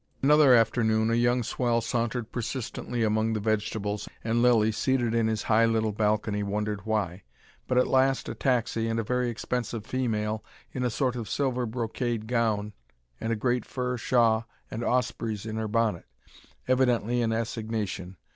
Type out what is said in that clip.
Another afternoon a young swell sauntered persistently among the vegetables, and Lilly, seated in his high little balcony, wondered why. But at last, a taxi, and a very expensive female, in a sort of silver brocade gown and a great fur shawl and ospreys in her bonnet. Evidently an assignation.